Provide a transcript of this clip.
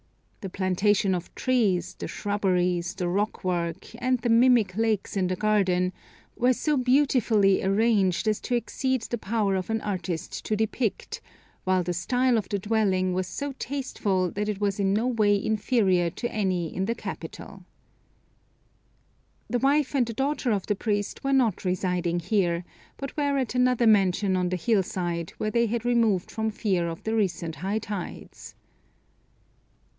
The plantations of trees, the shrubberies, the rock work, and the mimic lakes in the garden were so beautifully arranged as to exceed the power of an artist to depict, while the style of the dwelling was so tasteful that it was in no way inferior to any in the capital. The wife and the daughter of the priest were not residing here, but were at another mansion on the hill side, where they had removed from fear of the recent high tides.